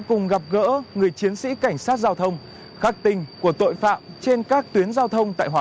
cùng gặp gỡ người chiến sĩ cảnh sát giao thông khắc tinh của tội phạm trên các tuyến giao thông tại hòa